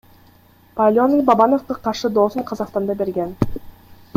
Паленый Бабановго каршы доосун Казакстанда берген.